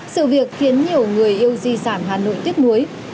sự việc khiến nhiều người yêu di sản hà nội tiếc nuối